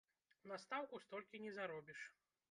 На стаўку столькі не заробіш!